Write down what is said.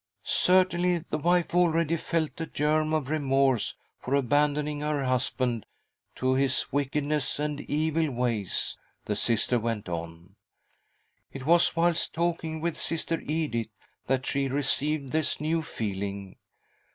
" Certainly the wife already felt a germ of remorse for abandoning her husband to his wickedness and evil ways," the Sister went on. " It was whilst talking with Sister Edith that she received this new feeling.